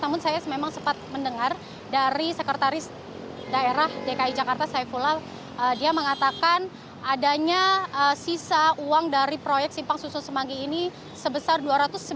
namun saya memang sempat mendengar dari sekretaris daerah dki jakarta saifullah dia mengatakan adanya sisa uang dari proyek simpang susun semanggi ini sebesar dua ratus sembilan puluh